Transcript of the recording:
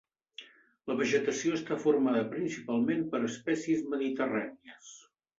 La vegetació està formada principalment per espècies mediterrànies.